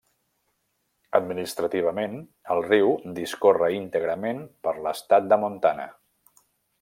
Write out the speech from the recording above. Administrativament, el riu discorre íntegrament per l'estat de Montana.